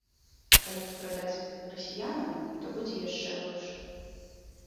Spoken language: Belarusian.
Калі не прадаць расіянам, то будзе яшчэ горш.